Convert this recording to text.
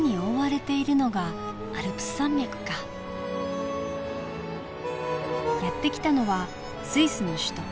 やって来たのはスイスの首都ベルン。